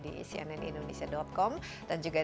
di cnnindonesia com dan juga